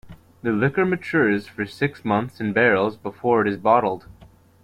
The liqueur matures for six months in barrels before it is bottled.